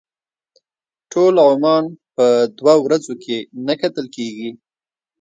ټول عمان په دوه ورځو کې نه کتل کېږي.